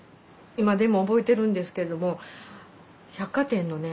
今でも覚えてるんですけども百貨店のね